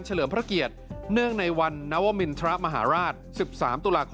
เฉลิมพระเกียจเนื่องในวันนวมินทระมหาราชสิบสามตุลาคม